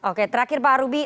oke terakhir pak arubi